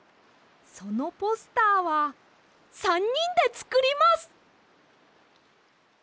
そのポスターは３にんでつくります！